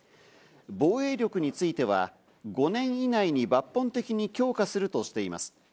防衛力については５年以内に抜本的に強化するとしています。